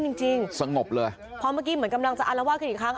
จริงจริงสงบเลยเพราะเมื่อกี้เหมือนกำลังจะอารวาสกันอีกครั้ง